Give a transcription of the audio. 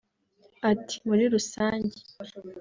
Ati” Muri rusange